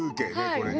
これね。